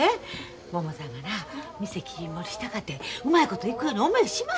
ももさんがな店切り盛りしたかてうまいこといくように思えしまへんわもう。